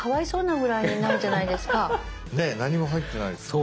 ねえ何も入ってないですね。